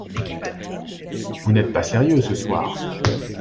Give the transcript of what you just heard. Vous n'êtes pas sérieux ce soir.